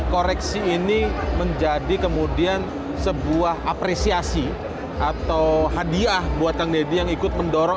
koreksi ini menjadi kemudian sebuah apresiasi atau hadiah buat kang deddy yang ikut mendorong